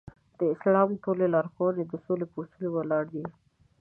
د اسلام ټولې لارښوونې د سولې په اصول ولاړې دي.